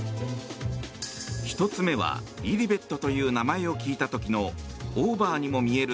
１つ目はリリベットという名前を聞いた時のオーバーとも見える